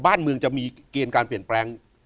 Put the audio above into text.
บ้านเมืองจะมีเกณฑ์การเปลี่ยนแปลง